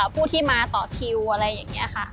ผู้ที่มาต่อคิวอะไรอย่างนี้ค่ะ